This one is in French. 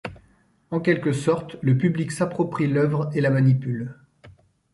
En quelque sorte, le public s'approprie l'œuvre et la manipule.